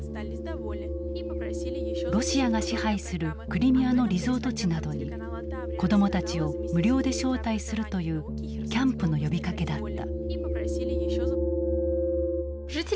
ロシアが支配するクリミアのリゾート地などに子どもたちを無料で招待するというキャンプの呼びかけだった。